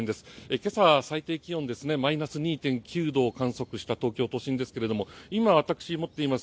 今朝は最低気温マイナス２．９度を観測しました東京都心ですが今、私が持っています